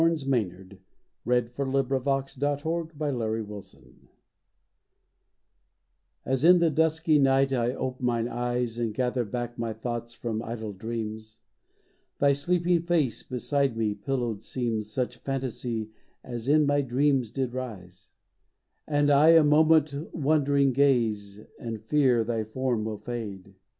What can I do but ever know thee true! XXII NUPTIAL SLEEP AS in the dusky night I ope mine eyes And gather back my thoughts from idle dreams, Thy sleeping face beside me pillowed seems Such phantasy as in my dreams did rise ; And I a moment wondering gaze and fear Thy form will fade.